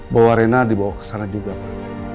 bahwa reina dibawa ke sana juga pak